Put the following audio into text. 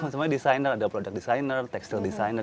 semuanya desainer ada produk desainer tekstil desainer